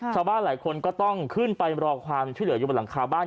ชาวบ้านหลายคนก็ต้องขึ้นไปรอความช่วยเหลืออยู่บนหลังคาบ้าน